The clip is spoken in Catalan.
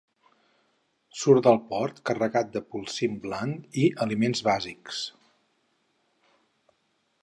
Surt del port carregat de polsim blanc i aliments bàsics.